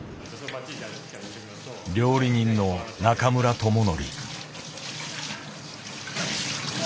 料理人の中村友紀。